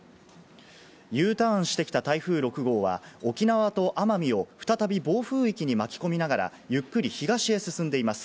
Ｕターンしてきた台風６号は、沖縄と奄美を再び暴風域に巻き込みながら、ゆっくり東へ進んでいます。